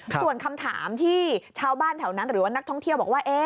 ส่วนคำถามที่ชาวบ้านแถวนั้นหรือว่านักท่องเที่ยวบอกว่า